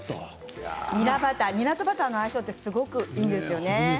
にらとバターの相性ってすごくいいんですよ。